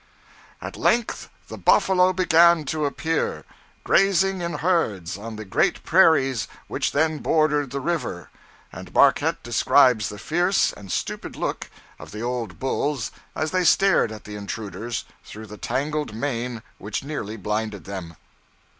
'At length the buffalo began to appear, grazing in herds on the great prairies which then bordered the river; and Marquette describes the fierce and stupid look of the old bulls as they stared at the intruders through the tangled mane which nearly blinded them.'